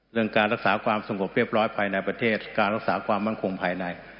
เรื่องการรักษาความสงบเรียบร้อยภายในประเทศการรักษาความมั่นคงภายใน